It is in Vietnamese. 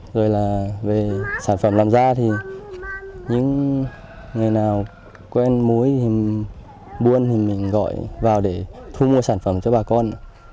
rồi là về sản phẩm làm ra thì những người nào quen mối buôn thì mình gọi vào để thu mua sản phẩm cho bà con